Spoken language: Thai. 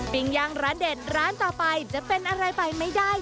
ย่างร้านเด็ดร้านต่อไปจะเป็นอะไรไปไม่ได้